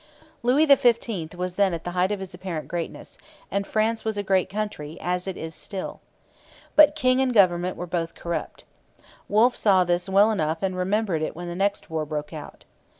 Louis XV was then at the height of his apparent greatness; and France was a great country, as it is still. But king and government were both corrupt. Wolfe saw this well enough and remembered it when the next war broke out.